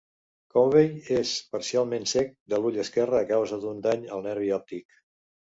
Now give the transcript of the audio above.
Convey és parcialment cec de l'ull esquerre a causa d'un dany al nervi òptic.